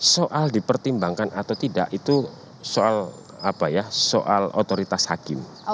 soal dipertimbangkan atau tidak itu soal otoritas hakim